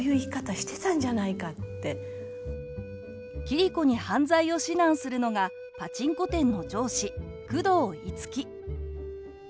桐子に犯罪を指南するのがパチンコ店の上司久遠樹。